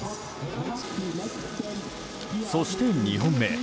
そして、２本目。